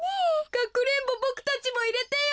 かくれんぼボクたちもいれてよ。